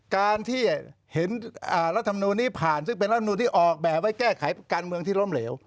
การที่เห็นรัฐมนูลนี้ผ่านซึ่งเป็นรัฐมนูลที่ออกแบบไว้แก้ไขการเมืองที่ล้มเหลว